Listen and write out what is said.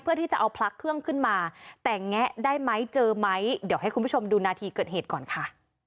เพื่อที่จะเอาพลักเครื่องขึ้นมาแต่แงะได้ไหมเจอไหมเดี๋ยวให้คุณผู้ชมดูนาทีเกิดเหตุก่อนค่ะ